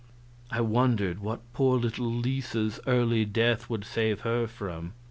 I wondered what poor little Lisa's early death would save her from.